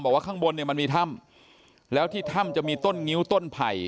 ข้างบนเนี่ยมันมีถ้ำแล้วที่ถ้ำจะมีต้นงิ้วต้นไผ่